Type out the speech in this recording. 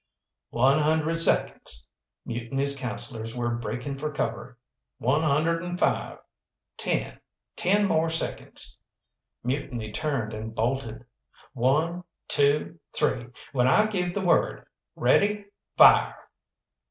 "One hundred seconds!" Mutiny's counsellors were breaking for cover. "One hundred'n five! ten ten more seconds " Mutiny turned and bolted. "One two three when I give the word ready Fire!"